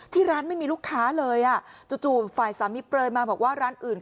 ที่ร้านไม่มีลูกค้าเลยอ่ะจู่ฝ่ายสามีเปลยมาบอกว่าร้านอื่น